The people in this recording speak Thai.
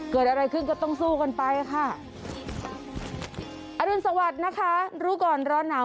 เกิดอะไรขึ้นก็ต้องสู้กันไปค่ะอรุณสวัสดิ์นะคะรู้ก่อนร้อนหนาว